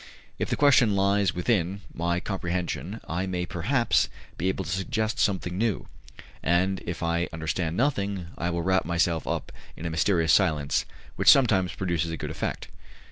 If the question lies within my comprehension I may, perhaps, be able to suggest something new; and if I understand nothing I will wrap myself up in a mysterious silence, which sometimes produces a good effect.